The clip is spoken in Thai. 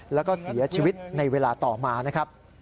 แล้วก็เสียชีวิตในเวลาต่อมานะครับ